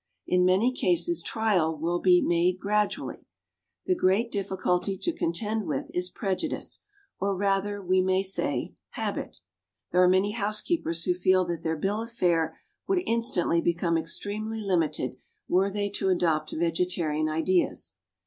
In many cases trial will be made gradually. The great difficulty to contend with is prejudice, or, rather, we may say, habit. There are many housekeepers who feel that their bill of fare would instantly become extremely limited were they to adopt vegetarian ideas.